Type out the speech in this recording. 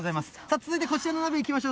続いてこちらの鍋いきましょう。